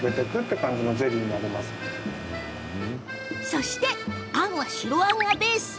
そして、あんは白あんがベース。